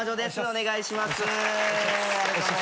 お願いします。